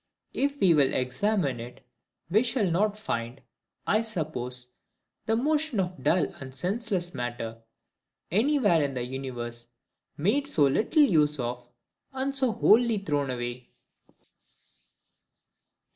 If we will examine it, we shall not find, I suppose, the motion of dull and senseless matter, any where in the universe, made so little use of and so wholly thrown away.